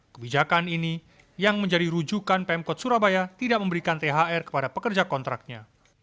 kebijakan ini yang menjadi rujukan pemkot surabaya tidak memberikan thr kepada pekerja kontraknya